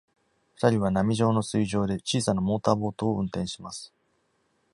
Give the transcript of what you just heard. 二人は波状の水上で小さなモーターボートを運転します。